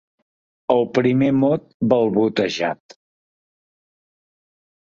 El primer mot balbotejat.